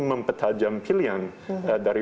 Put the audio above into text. mempetajam pilihan dari